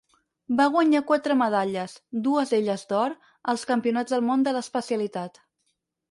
Va guanyar quatre medalles, dues d'elles d'or, als Campionats del món de l'especialitat.